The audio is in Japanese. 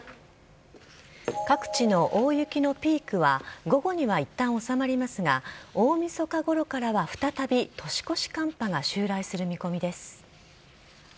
各地の大雪のピークは、午後にはいったん収まりますが、大みそかごろからは再び年越し寒波が襲来する見込みです。